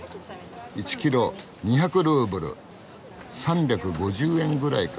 １キロ２００ルーブル３５０円ぐらいか。